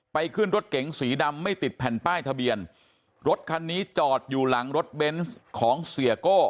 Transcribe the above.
ขึ้นรถเก๋งสีดำไม่ติดแผ่นป้ายทะเบียนรถคันนี้จอดอยู่หลังรถเบนส์ของเสียโก้